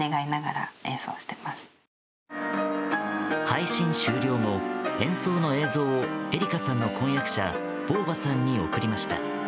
配信終了後、演奏の映像をえりかさんの婚約者ヴォーヴァさんに送りました。